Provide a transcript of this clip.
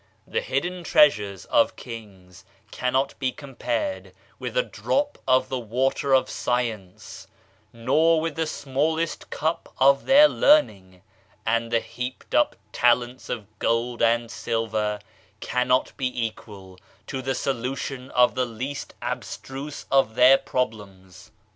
The hidden treasures of king^ cannot be com pared with a drop of the water of science; nor with the smallest cup of their learning; and the heaped up talents of gold and silver cannot be equal to the solution of the least abstruse of their problems.